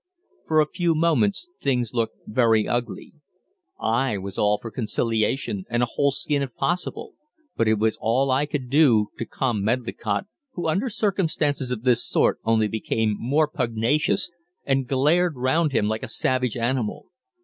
For a few moments things looked very ugly. I was all for conciliation and a whole skin if possible, but it was all I could do to calm Medlicott, who under circumstances of this sort only became more pugnacious and glared round him like a savage animal.